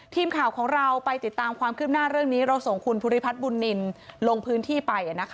ทีมข่าวของเราไปติดตามความคืบหน้าเรื่องนี้เราส่งคุณภูริพัฒน์บุญนินลงพื้นที่ไป